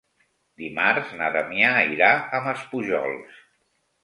Dimarts na Damià irà a Maspujols.